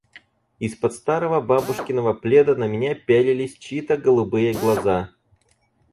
Из-под старого бабушкиного пледа на меня пялились чьи-то голубые глаза.